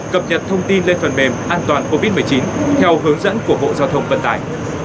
cập nhật thông tin lên phần mềm an toàn covid một mươi chín theo hướng dẫn của bộ giao thông vận tải